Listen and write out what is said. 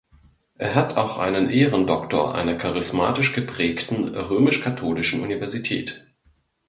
Er hat auch einen Ehrendoktor einer charismatisch geprägten, römisch-katholischen Universität.